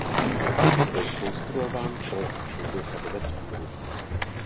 Byl zkonstruován pro let člověka do vesmíru.